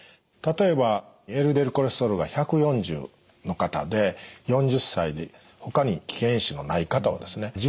例えばＬＤＬコレステロールが１４０の方で４０歳でほかに危険因子のない方はですね